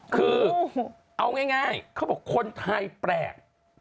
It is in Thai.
คือเอาง่ายเขาบอกคนไทยแปลก